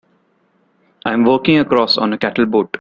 I'm working across on a cattle boat.